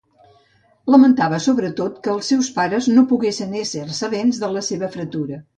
Lamentava sobretot que els seus pares no poguessin ésser sabents de la seva fretura.